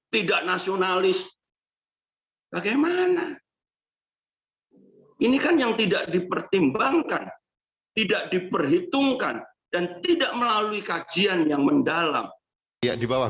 tidak nasionalis bagaimana ini kan yang tidak dipertimbangkan tidak diperhitungkan dan tidak melalui kajian yang mendalam ya di bawah